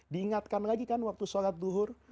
diingatkan lagi kan waktu sholat duhur